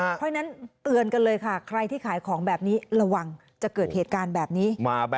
เพราะฉะนั้นเตือนกันเลยค่ะใครที่ขายของแบบนี้ระวังจะเกิดเหตุการณ์แบบนี้